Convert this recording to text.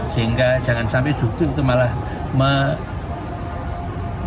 sehingga jangan sampai jauh jauh itu malah mengembangkan